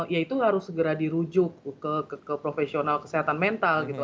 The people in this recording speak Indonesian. ya itu harus segera dirujuk ke profesional kesehatan mental gitu